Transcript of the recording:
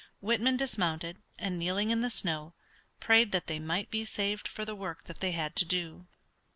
Whitman dismounted, and kneeling in the snow, prayed that they might be saved for the work that they had to do.